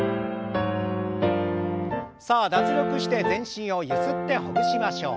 さあ脱力して全身をゆすってほぐしましょう。